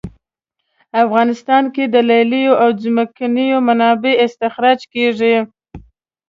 افغانستان کې د لیلیو او ځمکنیو منابعو استخراج کیږي